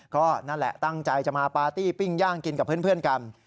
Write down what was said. ก็นั่นแหละตั้งใจจะมาปาร์ตี้ปิ้งย่างกินกับเพื่อนกัน